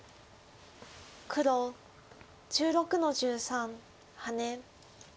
黒１６の十三ハネ。